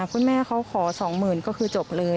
คุณแม่เขาขอสองหมื่นก็คือจบเลย